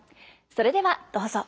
それではどうぞ。